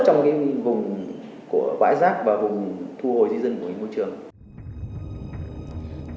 trong cái vùng của bãi rác